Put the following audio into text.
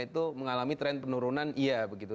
itu mengalami tren penurunan iya begitu